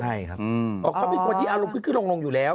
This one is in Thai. พลิกต๊อกเต็มเสนอหมดเลยพลิกต๊อกเต็มเสนอหมดเลย